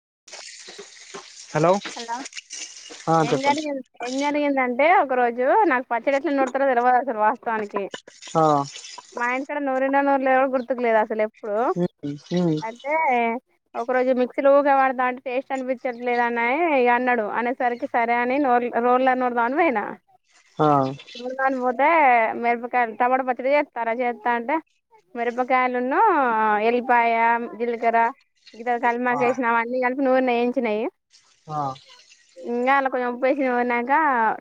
[inaudible] Hello ఆ ఏం చెప్పండి జరిగింది ఏం జరిగిందంటే ఒక రోజు నాకు పచ్చడి ఎట్ల నూరుతారో తెలవదు అస్సలు వాస్తవానికి హ నూరిన నోరలేదు గుర్తుకు లేదా అసలు ఎప్పుడు ఉమ్ ఉమ్ అయితే ఒక రోజు మిక్సీల ఊకే పడతంటే టేస్ట్ అనిపించట్లేదు న్నాయి అన్నాడు అనేసరికి సరే అని రోళ్ళ నురుదామని పోయిన ఆ నూరడానికి పోతే మిరపకాయలు టమాటా పచ్చడి చేస్తానా చేస్తాఅంటే మిరపకాయలున్ను ఎల్లిపాయ జీలకర్ర ఇత ఆ కలిమాకేసిన అవన్నీ కలిపి నూనిలో ఎయించినాయి ఆ ఇంగా అల్లా కొంచెం ఉప్పు వేసి నూరినంక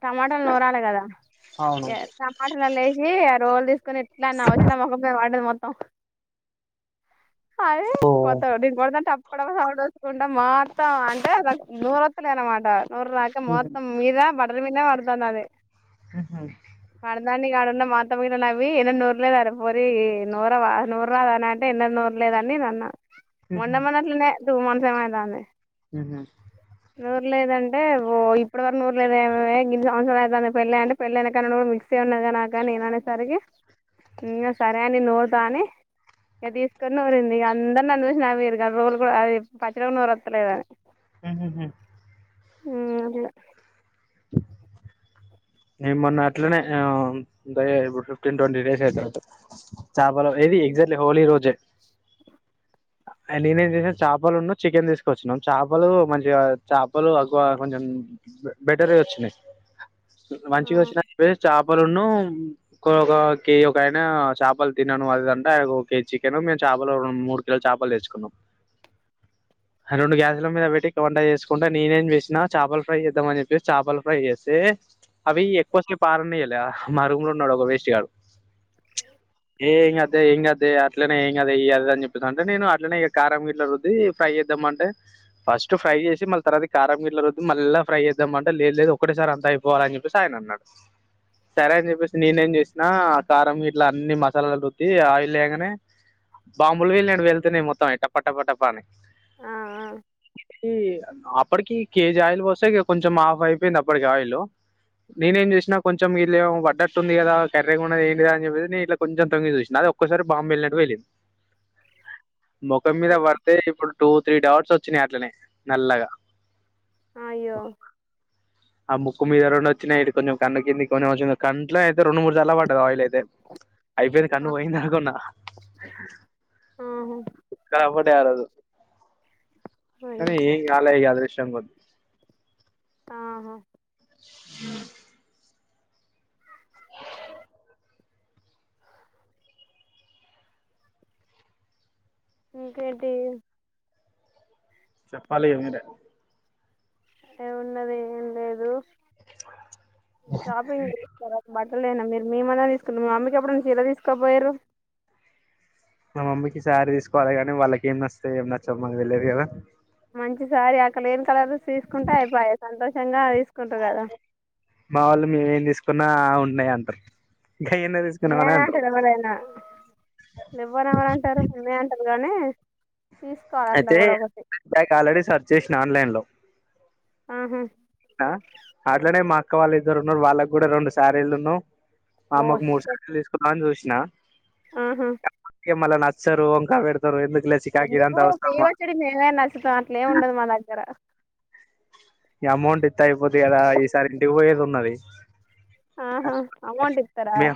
టమాటాలు నూరాలి కదా అవును టమాటాలల్ల వేసి రోల్ క్కని ఎట్లాన్నా వచ్చి నా మొకం మీద పడ్డది మొత్తం అది ఓ మొత్తం నేను కొడతా అంటే టప్ప టప్ప సౌండ్ ఒచ్చుకుంటా మొత్తం అంటే నూరు ఎత్తలే అన్నమాట నూరాక మొత్తం మీద బట్టల మీదనే పడతాంది అది ఊహ్మ్మ్ దాం ఆడున్న మా అత్తమ్మ గిన నవ్వి ఎన్నడు నూరలేదనే పోరి నూరవా నూరరాదా అని అంటే ఎన్నడు నూరలే లేదని నేనన్న మొన్న మొన్నఅట్లా టూ మంత్స్ ఏమో అయితాంది ఊహ్మ్మ్ నూరు లేదుదంటే ఓ ఇప్పుటి వకు నఊరు లేద ఏమ ఇ సంవత్సర అవుతుంది పెళ్ళి అంటే పెళ్ళనా కాన్నా మిక్ ఉన్నద నాక నేన అనేసరికి ఇ సరే అని నోడతా అని ఇక తీసుకొని ఊరింది ఇక అందరిని అ చూసిిన మీరు కానీ రోజులు కూడా అది పచ్చడికుడా నరస్తలేదని హ్మ్ హ్మ్ హ్మ్ ఈరోజే నేన్ మొన్న అట్లనే అ అంటే ఫిఫ్టీన్ ట్వంటీ డేస్ అయితంటే చాపలో ఏది ఎగ్జాక్ట్లీ హోలీ రోజే [inaudible] నేనే ఏం చేసాను చేపలు ఉన్నా చికెన్ తీసుకొ వచ్చినను చేపలు మంచిగా చేపలు ఎక్కువ కొంచెం బెటరీ వచ్చినాయి [inaudible] మంచిగా వచ్చిన అ చాప పలున్న ఇంకొక కే ఓకే ఆయనా చేపలు తినన్నాను అదింటే కే చికెన్ మే చే చపలో మూడు కేజీ చేపలు తెచ్చుకునం రెండు గ్యాసుల మీద పెట్టి వంట చేసుకుంటే నేనేం చేసిన చాపల ఫ్రై చేద్దామ అని చెప్పేసి చాపల ఫ్రై ఎస్తే అవి ఎక్కువసేపు అరనీయ్యలే అహ్ మా రూమ్ లో ఉన్నాడు ఒక వేస్ట్ కాడు హ ఏ ఏం గాదే ఏం గాదే అట్లనే ఏం గాదు ఏయ్యి అది అది అని చెప్పేసి అంటే నేను అట్లనే ఇగ కారం గిట్ల రుద్ది ఫ్రై ఎత్ చేద్దామంటే ఫస్ట్ ఫ్రై చేసి మళ్ళ తరువాత కారం గిట్ల రుద్ది మళ్ళ ఫ్రై చేద్దామంటే లేదు లేదు ఒకేటేసారి అంతా అయి గోర అని చెప్పేసి ఆయన అన్నాడు. సరే అని చెప్పేసి నేనేం చేసినా ఆ కారం ఇట్లా అన్ని మసాలాలు గిట్ల రుద్ది ఆయిల్ లేయంగనే బాంబులు వేలనట్టు వేళ్తున్నాయి మొత్తం ట్టప్ప ట్టప్ప ట్టప్ప అని ఆ షి అప్పటికి కె జి జే ఆయిల్ ఓస్తే ఇగ కొంచెం ఆఫ్ అయిపేయింది అప్పటికి ఆయిలు నేనేం ఏంజేసినా కొంచెం ఇళ్ళఏమో పడ్డట్టుంది కదా కర్ర గా ఉన్నది ఏంటిదనీ చెప్పేసి నేను ఇట్లా కొంచం తొంగి సుషిన అది ఒక్కా క్కసారి బాంబు బెలినట్టు బేళ్ళింది. ముఖం ఆ మీద పడితే ఇప్పుడు టూ త్రీ డాట్స్ చ్చినయట్లనే నల్లగా అయ్యో ఆ ముక్కు మీద రెండు వచ్చినాయి. ఇటు కొంచం కన్న కింది కొనీ వచ్చింది. కంట్లో అయితే రెండు మూడు సల్లా పడ్డది ఆయిల్ అయి అయిపెంది కన్ను ఆహా ఓయ్యింది అనుకున్నా సుక్కలువడ్డాయిఆ రోజు అయ్యో కానీ ఏంగాలే అదృష్టం కొద్ది ఆహా హ ఇంకేంటి చెప్పాలి ఇగ మీరే ఏమున్నది ఏం లేదు. షాపింగ్ చేస్తారా? బట్ లేనా మీరు మేమన్నా తీసుకుందుము మీ మమ్మీకి ఎప్పుడున్న చీర తీసుకోపోయరు. మా మమ్మీకి శారీ తీసుకోవాలి గానీ వాళ్ళకి ఏం నచ్చుతాయో ఏమి నచ్చవో మాకు తెలీయదు కదా మంచి సారి అక్కడ లేని కలర్ తీసుకుంటే అయిపయా సంతోషంగా తీసుకుంటారు కదా. మా వాళ్ళు మేమేం తీసుకున్నా ఉన్నాయి అంటరు. ఉన్నాయనే అంటారు ఎవరైనా లెవ్వను ఎవరంటారు ఉన్నాయి అంటరు. గానే అయితే బ్యాక్ ఆల్రెడీ సెర్చ్ చేసిన ఆన్లైన్ లో ఆహా ఆ అట్లనే మా అక్క వాళ్ళ ఇద్దరు ఉన్నారు వాళ్ళకి కూడా రెండు సారీళ్లు ఉన్ను మా ఓ అమ్మ కు మూడు షట్ సారీలు తీసుకుందామని చూసిన ఆహా మళ్ళ నచ్చారు వంకాలు వేడతరు ఎందుకు? ఎందుకు ఫ్రీగా వచ్చడి మేమేం నచ్చుతాం అట్లేం ఉండదు మా దగ్గర ఈ అమౌంట్ ఇంత అయిపొద్ది కదా ఈసారి ఇంటికి పోయేది ఉన్నది. అ ఆహా అమౌంట్ ఇస్తారా మే మేయా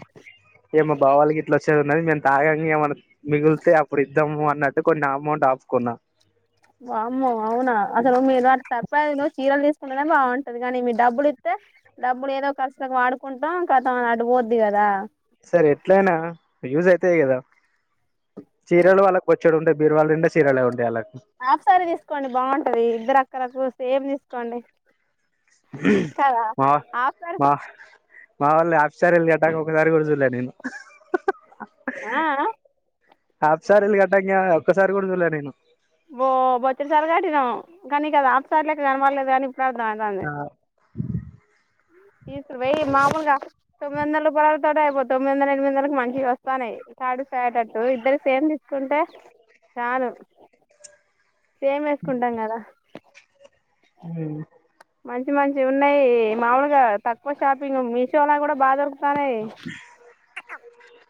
ఇగ బావోల్లు గిట్లా వచ్చేదున్నది మే తాగాంగా ఏమన మిగిలితే అప్పుడు ఇద్దాము అన్నట్టు కొన్ని అమౌంట్ ఆపుకున్నా వామ్మో అవునా అసలు మీరు అ సర్ప్రైసులు చీరలు తీసుకుంటేనే బాగుంటది కానీ మీ డబ్బులు ఇస్తే డబ్బులు ఏదో ఖర్చులకి వాడుకుంటాం. కతం అది అటు పోద్ది కదా సరే ఎట్లైన యూజ్ అయితాయి కదా చీరలు వాళ్ళకి బో చ్చేడివుంటాయి బీరువాలనిండా చీరలే ఉంటాయి అలా హాఫ్సారి తీసుకోండి బాగుంటది ఇద్దరు అక్కలకు సేమ్ తీసుకోండి. కదా మా హాఫ్ సారీ మా హ్ మా వొళ్ళు ఆఫ్ శారీలు గట్టంగా ఒకసారి కూడా సులే నేను ఆ ఆ హాఫ్ సారీలు గట్టంగా ఒక్కసారి కూడా చూలే నేను ఓ బొచ్చడుసార్లు కటినాం కానీ నీకా ఆఫ్సార్ల్లెక్క కనబడలేదు గానీ ఇప్పుడు అర్థం అయితాంది ఆ తీసురు వెయ్యి మామూలుగా తొమ్మి వందల రూపాయలతోటే అయిపో తొమ్మిది వందల ఎనిమిది వందలకి మంచిగా వస్తానయ్ సాటిస్ఫై అయ్యో టట్టు ఇద్దరి సేమ్ తీస్కుంటే చాలు సేమ్ ఎస్కుంటాం కదా ఉ మంచి మంచి ఉన్నాయి మాములుగా తక్కువ షాపింగ్ మీషో లో కూడా బా దొరుకు తనాయ్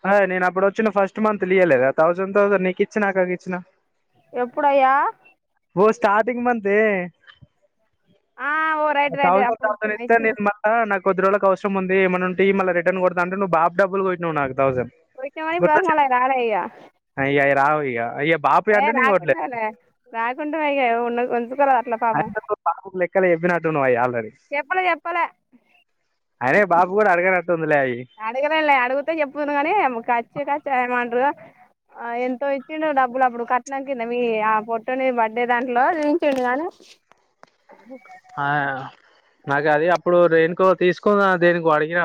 అదే నేను అప్పుడు వచ్చిన ఫస్ట్ మంత్ లో ఇయ్యలేదా థౌసండ్ థౌసండ్ నీకు ఇచ్చిన అక్కకిచ్చిన ఎప్పుడయ్యా ఓ స్టార్టింగ్ మంతే ఆ ఓ రైట్ రైట్ థౌసండ్ అప్పుడు థౌసండ్ ఇచ్చిన ఇత్తే ఇచ్చిన నేన్ మల్ల నాక్ కొది రోలకి అవసరం ఉంది ఎమన్న ఉంటే ఇయ్ మళ్ళ రిటర్న్ గొడతా అంటే నువ్వు బాబ్ డబ్బులు కొట్టినావు నాకు థౌసండ్ ఇచ్చినవు కానీ ఇప్పటివరకు మళ్ళ గుర్తొచ్చిందా అవి రాలే ఇగ అయి అయి రావు ఇగ బాపయ అంటే నేను కోట్లేదు ఉండవయ్య ఉన్నది కొంచెం ఇంక రాట్లే పాపం అయినా నువ్వు బాపుకి లెక్కలు చెప్పినట్టు నువ్వు అయి ఎప్పుడు చెప్పలె అరే బాబు గూడా అడగర అడగడంలే అడిగుతే చెప్తును గానీ ఖచ్చి ఖచ్చి ఏమంట్రు ఆ ఎంతో ఇచ్చిండు డబ్బులు అప్పుడు కట్నం కింద మీ ఆ పొట్టోని బర్త్డే దాంట్లో చూయించిండు గానీ ఆ నాకు అది అప్పుడు రేనుకో తీసుకున్న దేనికో అడిగిన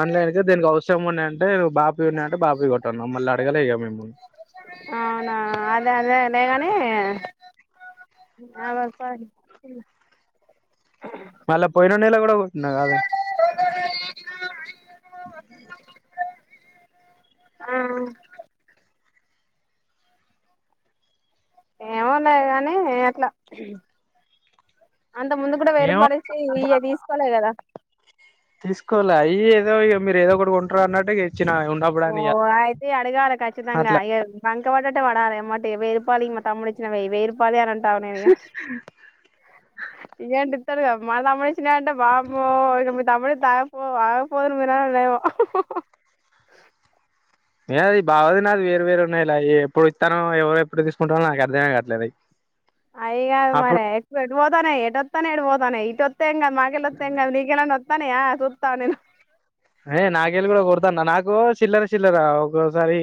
ఆన్లైన్ కే దేనికో అవసరం ఉన్నాయ అంటే బాపి ఉన్నాయ్ అంటే బాపి కొట్ట అన్నవ్ మళ్ళ అడగలే ఇగ మేము అవునా అదే అదే లే గాని ఏ అవర్ పాడు మళ్ళా పోయిన నేల గూడా కొట్టిన్నా గాదే ఆ ఏమో లేదు కానీ అట్ల అంత ముందు కూడా వెయ్యి ఏమో రూపాయలు ఇచ్చి ఇయ్యె తీసుకోలే కదా తీసుకోలే అయ్ ఏదో ఇగ మీరు ఏదో కొంట్రు అన్నట్టు ఇగ ఓ అయితే అడగాలి ఖచ్చితంగా అట్లా ఇక్కవడట్టే వడాలి ఎమ్మటే వేయిరూపలి మా తమ్ముడి ఇచ్చిన వేయి రుపలి అని అంటే తావ్ నేనేగ ఏంటి ఇత్తడు గ మా తమ్ముడు ఇచ్చినీయంటే వామ్మో ఇగ మీ తమ్ముడు ఇత్తే ఆగపో ఆగకపోదురు మీ న్నాన ఏమో ఏయ్ బావది నాది వేరు వేరు ఉన్నయ్ లే అయి ఎప్పుడు ఇత్తనో ఎవరు ఎప్పుడు తీసుకుంటానో నాకు అర్థమె కాట్లేదు అయ్ అయ్ గాదు మరి అయ్ ఎప్పుడు ఎటు పోతనై ఎటు వత్తనై ఎటు ఓతన్నయ్ తెంగాద్ మాకెలొ తెంగాద్ నీకేనా నొత్తన్నయా సుత్త ఆగు నేను అయిన నాగేలు గూడ కొడతన్న నాకు చిల్లర చిల్లర ఒకోసారి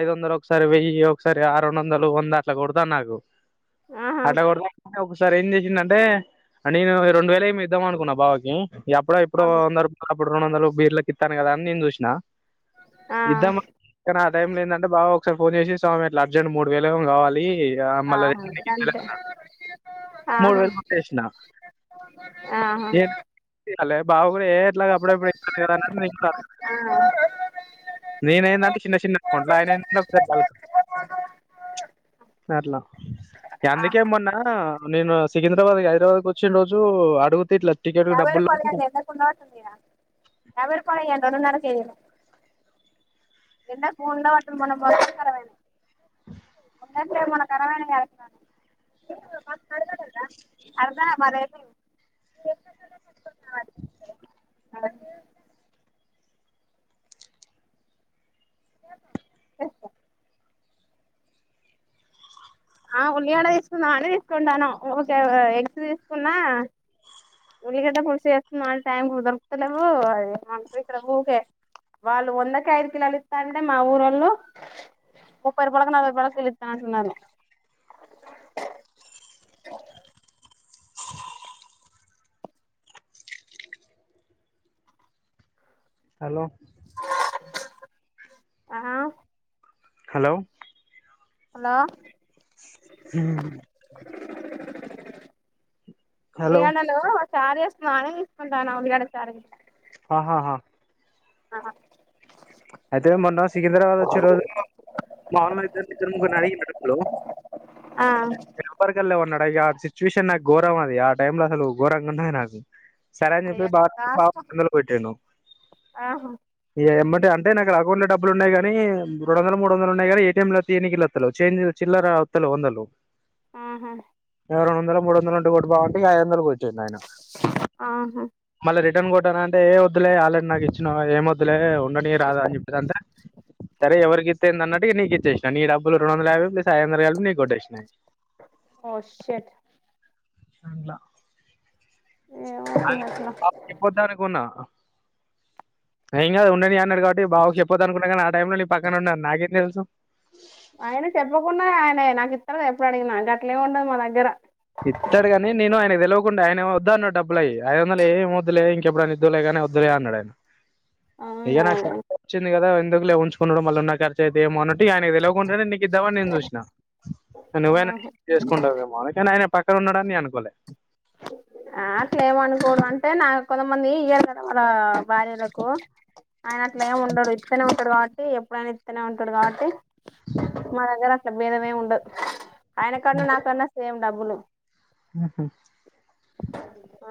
ఐదొందలు ఒకసారి వెయ్యి ఒకసారి ఆ రెండొందలు వంద అట్లా గొడతారు నాకు ఆహా అట్ల గొడితే ఒకసారి ఏం జెస్ ఇన్ని నంటే నేను రెండు వేలు ఏమో ఇద్దాం అనుకున్నా బావకి ఇగ అప్పుడో ఇప్పుడో వంద రూపాల్ అప్ రెండు వందలు బీర్లకి ఇత్తాను కదా అని నేను జూసినా ఆ ఇద్దామా ఆ టైంలో ఏందంటే బావ ఒకసారి ఫోన్ చేసి స్వామి అట్ల అర్జెంట్ మూడు వేలు ఏమో గావాలి ఇగా మళ్ళ ఆహా తెచ్చి నీకిత్తలే గంతే అన్నాడు మూడు ఆహా వేలు కొట్టేసిన ఆహా హలో బావ గూడ ఏ ఎట్లా అప్పుడప్పుడు ఇత్తను కద అన్నాడు నేను గూడా అడగలేదు ఆ నేనైందంటే చిన్న చిన్న ఫం ఆయన ఏందంటే అట్లా అందుకే మొన్నా నేను సికింద్రాబాద్ హైదరాబాద్కి వచ్చిన రోజు అగుతే ఇట్ల యాభై రూపాయ అంటే ఏమనుకున్నారు అన్నయ్య యాభై రూపాయలు ఇయ్యండి రెండున్నర కేజీలు ఎండకు ఉండబట్టి మొన్న ఖరాబ్ అయింది మన కరాబైన [unintelligible] మ అద అర్ద [unintelligible] మన ఆ ఉల్లిగడ్డ తీసుకుందాం అని తీసుకుంటాన్నం ఊకే ఎగ్స్ తీసుకున్నా ఉల్లిగడ్డ పులుసు చేస్ టైంకు దొరుకుతలెవ్వు అదే మ ఊకె వాళ్ళు వందకి ఐదు కిలోలు ఇస్తాం అంటే మా ఊరోళ్ళు ముప్పై రూపాలకు నలభై నలభై రూపాయలకు కిలా ఇస్తా అంటున్నారు హలో ఆహా హలో హలో హ్మ్ ఉల్లిగడ్డలు చారు చేసుకుందామని తీసుకుంటన్న ఉల్లిగడ్డ చారు ఆహాహా అయితే మొన్న సికింద్రాబాద్ వచ్చే రోజు మా ఆమ్ ఇద్దరికిద్దరు ను [unintelligible] లో ఆ ఇగ ఆ సిచ్యువేషన్ నాకు ఘోరం అది ఆ టైమ్ లో అసలు ఘోరంగా ఉన్నది నాకు సరే అని అయ్యో చెప్పేసి బా బావ కాస్త తొందర పెట్టిండు ఆహా ఇగ ఎంబడి అంట నాకు అకౌట్ డబ్బులు ఉన్నయి గని రెండు వందలో మూడు వందలో ఉన్నాయి గని ఏటీఎం ల తీయనికి ఇల్ల అత్తలేవ్ చేంజ్ చిల్లర అవ వందలు ఆహా ఆ రెండు వందలో మూడు వందలో ఉంటే కొట్టు బావంటే ఇగ ఐదు వందలు కొట్టిండాయన ఆహా మల్ల రెండు టన్ కొట్టన అంటే ఏ వద్దులే ఆల్రెడీ నాకు ఇచ్చినావ్ కదా ఏం వద్లే ఉంచ్ రాదా అని చెప్పసి అంటే సరే ఎవరికి ఇస్తే ఏందన్నట్టు ఇగ నీకు ఇచ్చేసిన నీ డబ్బులు రెండు వందల యాభై ప్లస్ అయిదు వందలు కలుపి నీకొట్టేసిన ఓ షట్ అట్లా ఏమో ఇగ అట్లా ఏం కాదు ఉండని అని ఉన్నరు కాబట్టి బావకి చెప్పదనుకున్నా కానీ ఆ టైంలో నీ పక్కన ఉన్నా అని నాకేం తెలుసు ఆయన చెప్పకుండా ఆయనే నాకు ఇత్తరు ఎప్పుడడిగినా గట్లే ఉండదు మా దగ్గర ఇత్తడు గని నేను ఆయనకు తెలవకుండా ఆయనేమో వద్దన్నడు డబ్బుల అయి ఐదు వందలు ఏం వద్దులే ఇంకెప్పుడైనా ఇదువులే గానీ వద్దులే అన్నడు ఆయ ఇగ అవునా నాకు వచ్చింది కదా ఎందుకు లే ఉంచుకునుడు మల్ల ఉన్న ఖర్చ అయితేయేమో అన్నట్టు ఇగ ఆయనకు తెలియకుంటనే ఇద్దమని నేను చూసిన నువ్వైనా చేసుకుంటావేమో కానీ ఆయన పక్క ఉన్నడని నేను అనుకోలే ఆ అట్లేమనుకోడు అంటే నా కొంతమంది ఇయర్ కదా వాళ్ళ భార్యలకు ఆయన అట్లా ఏం ఉండడు ఇస్తనే ఉంటడు కాబట్టి ఎప్పుడైనా ఇస్తనే ఉంటడు కాబట్టి మా దగ్గర భేదమేం ఉండదు ఆయన కన్నా నాకన్నా సేమ్ డబ్బులు ఉహు ఆ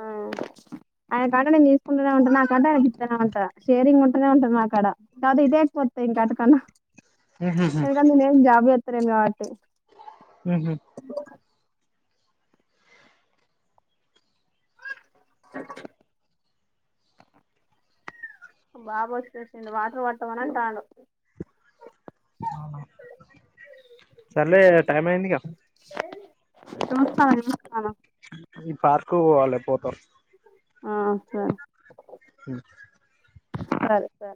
ఆయన కంట నే తీసుకుంటూనే ఉంట నా కంట ఆయన ఇస్తనే ఉంటా షేరింగ్ ఉంటూనే ఉంటది నాకాడ తర్వాత ఇదే ఇంకా అటకన్నా ఉహుహు ఎందుకంట నేనే ఏం జాబ్ చేస్తలేను కాబట్టి ఉహు బాబు వచ్చేసిండు వాటర్ పట్టమనంటాండు సర్లే టైం అయింది గా చూస్తాన్నా ఎదురుచూస్తున్నాను పార్కుకు పోవాలే పోత ఆ సర్ సరే సరే